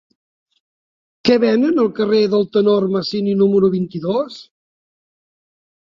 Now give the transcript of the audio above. Què venen al carrer del Tenor Masini número vint-i-dos?